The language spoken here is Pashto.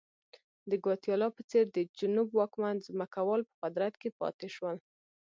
د ګواتیلا په څېر د جنوب واکمن ځمکوال په قدرت کې پاتې شول.